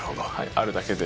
あるだけで。